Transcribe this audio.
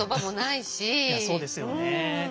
いやそうですよね。